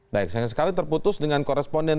baik sayang sekali terputus dengan koresponden